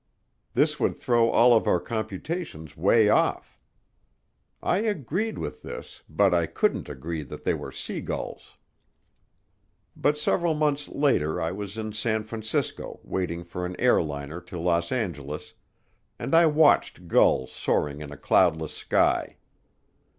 This would throw all of our computations 'way off. I agreed with this, but I couldn't agree that they were sea gulls. But several months later I was in San Francisco waiting for an airliner to Los Angeles and I watched gulls soaring in a cloudless sky.